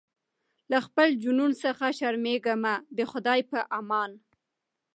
له خپل جنون څخه شرمېږمه د خدای په امان